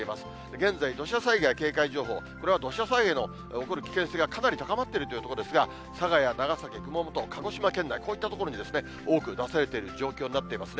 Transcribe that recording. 現在、土砂災害警戒情報、これは土砂災害の起こる危険性がかなり高まっているという所ですが、佐賀や長崎、熊本、鹿児島県内、こういった所に多く出されている状況になっていますね。